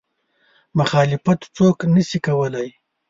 مخالفت څوک نه شي کولی.